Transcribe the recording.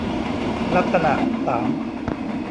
ลักษณะสาม